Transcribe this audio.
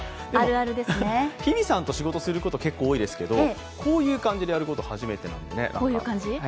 日比さんと仕事すること、結構多いですがこういう感じでやること初めてですね。